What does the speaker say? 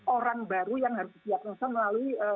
orang baru yang harus didiagnosa melalui